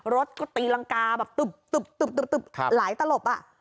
รถก็ตีลังกาแบบตุ๊บหลายตลบอ่ะ